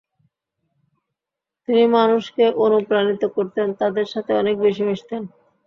তিনি মানুষকে অনুপ্রাণিত করতেন, তাদের সাথে অনেক বেশি মিশতেন।